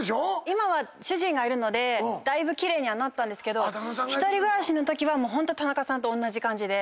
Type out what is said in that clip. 今は主人がいるのでだいぶ奇麗にはなったんですけど１人暮らしのときはホント田中さんとおんなじ感じで。